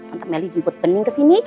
tante meli jemput bening kesini